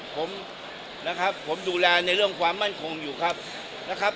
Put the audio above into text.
ผมนะครับผมดูแลในเรื่องความมั่นคงอยู่ครับนะครับ